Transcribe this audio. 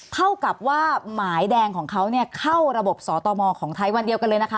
เท่ากับว่าหมายแดงของเขาเข้าระบบสตมของไทยวันเดียวกันเลยนะคะ